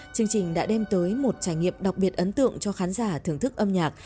chương trình đã đem tới một trải nghiệm đặc biệt ấn tượng cho khán giả thưởng thức âm nhạc